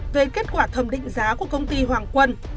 về kết quả thẩm định giá của công ty hoàng quân